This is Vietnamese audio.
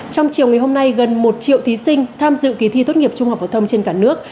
trong chiều ngày hôm nay gần một triệu thí sinh tham dự kỳ thi tốt nghiệp trung học phổ thông trên cả nước